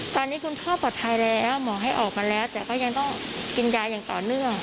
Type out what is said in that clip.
ตอนนี้คุณพ่อปลอดภัยแล้วหมอให้ออกมาแล้วแต่ก็ยังต้องกินยาอย่างต่อเนื่อง